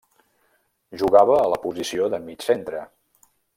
Jugava a la posició de mig centre.